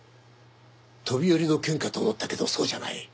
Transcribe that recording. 飛び降りの件かと思ったけどそうじゃない。